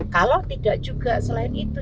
kalau tidak juga selain itu